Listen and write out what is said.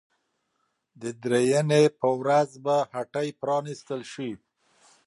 د درېنۍ په ورځ به هټۍ پرانيستل شي.